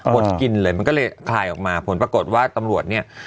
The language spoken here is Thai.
ดกินเลยมันก็เลยคลายออกมาผลปรากฏว่าตำรวจเนี่ย